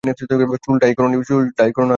চুল ডাই করো না কি?